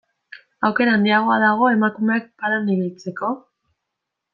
Aukera handiagoa dago emakumeak palan ibiltzeko?